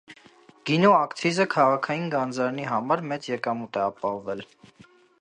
Գինու ակցիզը քաղաքային գանձարանի համար մեծ եկամուտ է ապահովել։